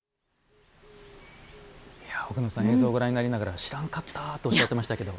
奥野さん映像をご覧になりながら知らんかったあっておっしゃっていましたけど。